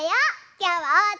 きょうはおうた